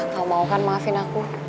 kau mau kan maafin aku